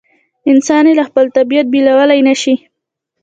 انسان یې له خپل طبیعت بېلولای نه شي.